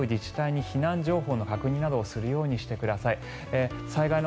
各自治体に避難情報の確認をするようにしてください。